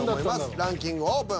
ランキングオープン。